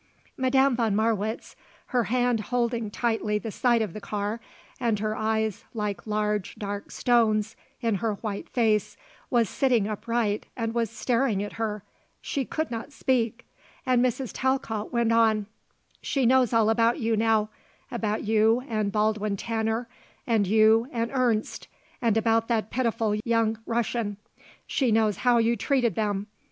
Madame von Marwitz, her hand holding tightly the side of the car and her eyes like large, dark stones in her white face, was sitting upright and was staring at her. She could not speak and Mrs. Talcott went on. "She knows all about you now; about you and Baldwin Tanner and you and Ernst, and about that pitiful young Russian. She knows how you treated them.